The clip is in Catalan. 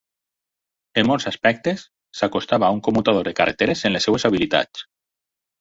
En molts aspectes, s'acostava a un commutador de carreteres en les seves habilitats.